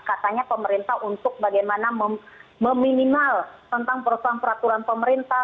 katanya pemerintah untuk bagaimana meminimal tentang perusahaan peraturan pemerintah